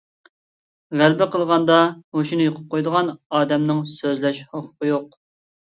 غەلىبە قىلغاندا ھوشىنى يوقىتىپ قويىدىغان ئادەمنىڭ سۆزلەش ھوقۇقى يوق!